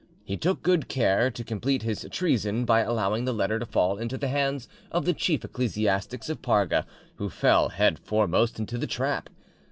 He took good care to complete his treason by allowing the letter to fall into the hands of the chief ecclesiastics of Parga, who fell head foremost into the trap.